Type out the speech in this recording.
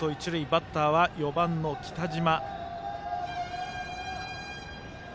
バッターは４番の北島。